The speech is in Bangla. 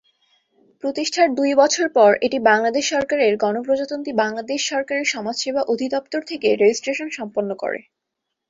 প্রতিষ্ঠার দুই বছর পর এটি বাংলাদেশ সরকারের গণপ্রজাতন্ত্রী বাংলাদেশ সরকারের সমাজসেবা অধিদপ্তর থেকে রেজিস্ট্রেশন সম্পন্ন করে।